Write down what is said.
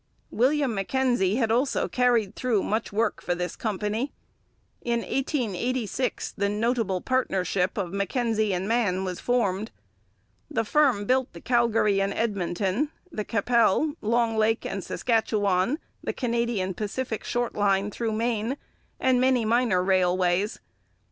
William Mackenzie had also carried through much work for this company. In 1886 the notable partnership of Mackenzie and Mann was formed. The firm built the Calgary and Edmonton, the Qu'Appelle, Long Lake and Saskatchewan, the Canadian Pacific short line through Maine, and many minor railways.